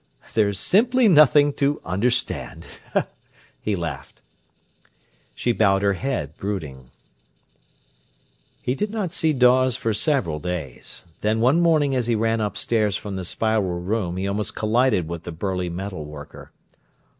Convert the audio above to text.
"There's simply nothing to understand," he laughed. She bowed her head, brooding. He did not see Dawes for several days; then one morning as he ran upstairs from the Spiral room he almost collided with the burly metal worker.